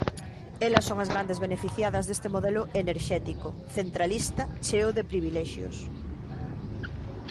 Elas son as grandes beneficiadas deste modelo enerxético, centralista, cheo de privilexios.